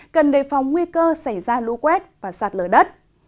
cần đề phòng nguy cơ xảy ra lũ quét và sạt lở đất